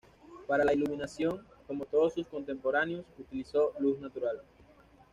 Para la iluminación, como todos sus contemporáneos, utilizó luz natural.